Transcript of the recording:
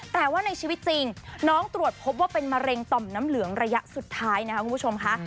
แต่ว่าในชีวิตจริงน้องตรวจพบว่าเป็นมะเร็งต่อมน้ำเหลืองระยะสุดท้ายนะคะคุณผู้ชมค่ะ